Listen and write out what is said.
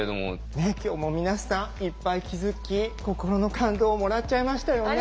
ねえ今日も皆さんいっぱい気づき心の感動をもらっちゃいましたよね。